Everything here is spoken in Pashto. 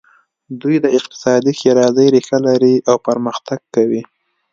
دوی د اقتصادي ښېرازۍ ریښه لري او پرمختګ کوي.